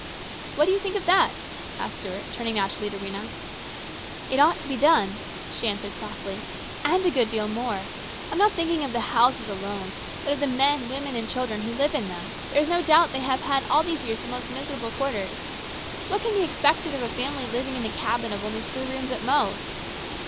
"What do you think of that?" asked Stuart, turning naturally to Rhena. " It ought to be done," she answered softly, "and Tin :< ON] BREW i . 2,01 'A deal more. I am not thinking of the h alone, but of the men, women, and children who live in them. There i ,\\<> doubt they have had all tli< .< years the most miserable quarters. What can be expected of a family living in a cabin of only thre< room ; ;it most?